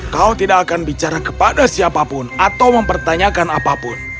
kau tidak akan bicara kepada siapapun atau mempertanyakan apapun